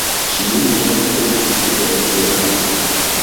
Ŝi neniam estis en Irano.